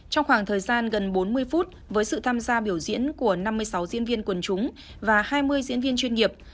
trong khoảng thời gian gần bốn mươi phút với sự tham gia biểu diễn của năm mươi sáu diễn viên quần chúng và hai mươi diễn viên chuyên nghiệp